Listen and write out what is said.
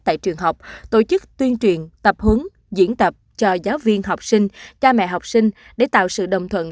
tại trường học tổ chức tuyên truyền tập hướng diễn tập cho giáo viên học sinh cha mẹ học sinh để tạo sự đồng thuận